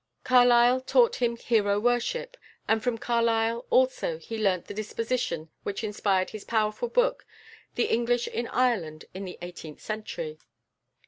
Carlyle taught him hero worship, and from Carlyle also he learnt the disposition which inspired his powerful book, "The English in Ireland in the Eighteenth Century."